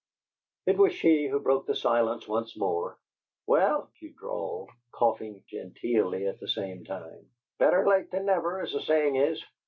It was she who broke the silence once more. "Well," she drawled, coughing genteelly at the same time, "better late than never, as the saying is.